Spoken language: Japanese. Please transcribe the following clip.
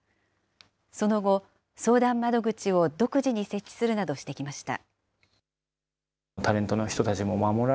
その後、相談窓口を独自に設置するなどしてきました。